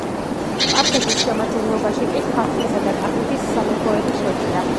სპარსეთის შემადგენლობაში კი ქართლის და კახეთის სამეფოები შევიდა.